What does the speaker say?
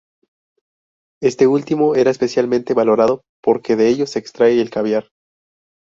Este último era especialmente valorado por que de ellos se extrae el caviar.